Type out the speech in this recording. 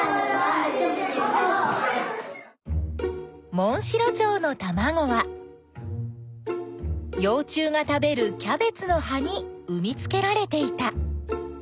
モンシロチョウのたまごはよう虫が食べるキャベツのはにうみつけられていた。